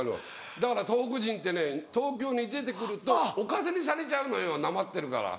だから東北人ってね東京に出て来るとおかずにされちゃうのよなまってるから。